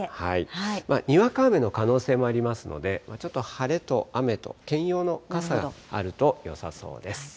にわか雨の可能性もありますので、ちょっと晴れと雨と兼用の傘があるとよさそうです。